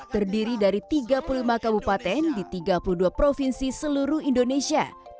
terdiri dari tiga puluh lima kabupaten di tiga puluh dua provinsi seluruh indonesia